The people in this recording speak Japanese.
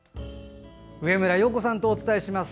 上村陽子さんとお伝えします。